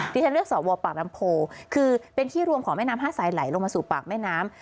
ที่ฉันเลือกสวปากลำโพคือเป็นที่รวมของแม่น้ำห้าสายไหลลงมาสู่ปากแม่น้ำ